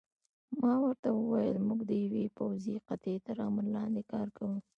ما ورته وویل: موږ د یوې پوځي قطعې تر امر لاندې کار کوو.